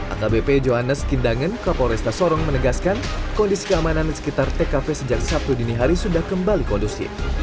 akbp johannes kindangen kapolresta sorong menegaskan kondisi keamanan di sekitar tkp sejak sabtu dini hari sudah kembali kondusif